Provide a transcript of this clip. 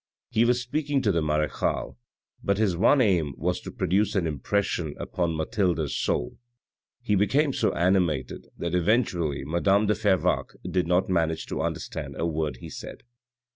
He was speaking to the marechale, but his one aim was to produce an impression upon Mathilde's soul. He became so animated that eventually madame de Fervaques did not manage to understand a word he said.